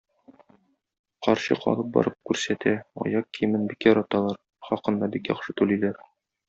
Карчык алып барып күрсәтә, аяк киемен бик яраталар, хакын да бик яхшы түлиләр.